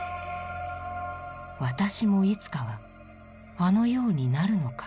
「私もいつかはあのようになるのか」。